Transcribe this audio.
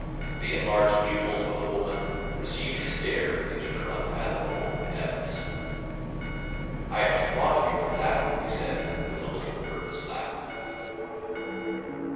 The enlarged pupils of the woman received his stare into their unfathomable depths. "I am too fond of you for that," he said, with a little nervous laugh.